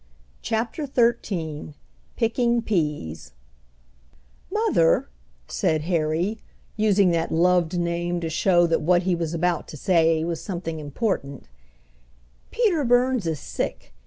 CHAPTER XIII PICKING PEAS "Mother," said Harry, using that loved name to show that what he was about to say was something important, "Peter Burns is sick.